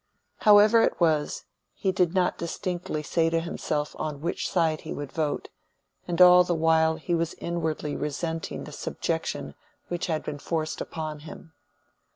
However it was, he did not distinctly say to himself on which side he would vote; and all the while he was inwardly resenting the subjection which had been forced upon him.